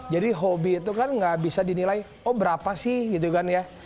jadi hobi itu kan nggak bisa dinilai oh berapa sih gitu kan ya